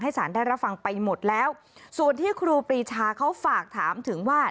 สารได้รับฟังไปหมดแล้วส่วนที่ครูปรีชาเขาฝากถามถึงว่า